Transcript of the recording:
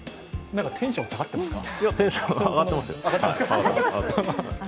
なんかテンション下がってますか？